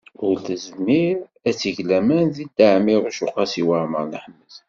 Ur tezmir ad teg laman deg Dda Ɛmiiruc u Qasi Waɛmer n Ḥmed.